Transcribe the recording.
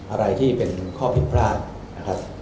อะไรที่เป็นข้อผิดพลาดนะครับ